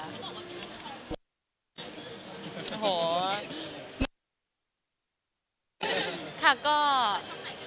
คุณบอกว่าเป็นวันของ